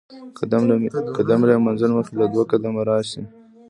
قدم له ئې منزل مخي له دوه قدمه راشي